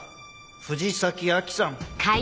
藤崎亜季さん。